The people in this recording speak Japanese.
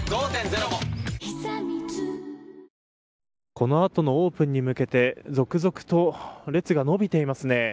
この後のオープンに向けて続々と列が伸びていますね。